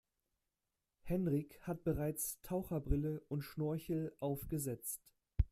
Henrik hat bereits Taucherbrille und Schnorchel aufgesetzt.